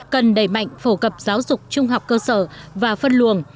cần đẩy mạnh phổ cập giáo dục trung học cơ sở và phân luồng